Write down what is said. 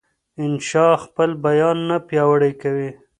انشا خپل بیان نه پیاوړی کوي.